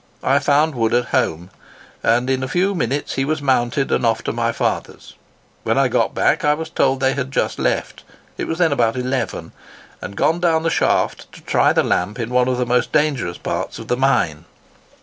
I found Wood at home, and in a few minutes he was mounted and off to my father's. When I got back, I was told they had just left—it was then about eleven—and gone down the shaft to try the lamp in one of the most dangerous parts of the mine."